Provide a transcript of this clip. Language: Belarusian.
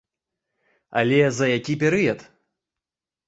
Але за які перыяд?